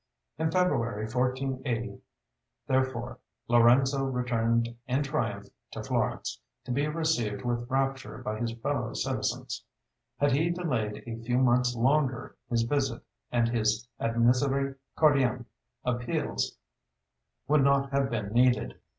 In February, 1480, therefore, Lorenzo returned in triumph to Florence, to be received with rapture by his fellow citizens. Had he delayed a few months longer, his visit and his ad miseri cordiam appeals would not have been needed.